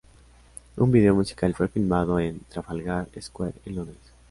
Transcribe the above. Un video musical fue filmado en Trafalgar Square en Londres.